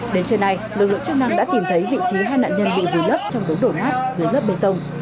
đến trưa nay lực lượng chức năng đã tìm thấy vị trí hai nạn nhân bị vùi lấp trong đống đổ nát dưới lớp bê tông